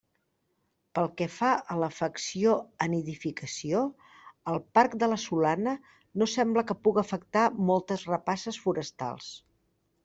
Pel que fa a l'afecció a nidificació, el parc de La Solana no sembla que puga afectar moltes rapaces forestals.